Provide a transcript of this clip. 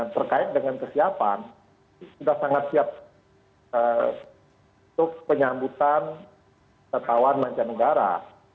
terkait dengan kesiapan sudah sangat siap untuk penyambutan tatawan mancanegara